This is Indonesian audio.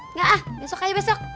enggak ah besok aja besok